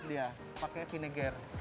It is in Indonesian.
iya pake vinegar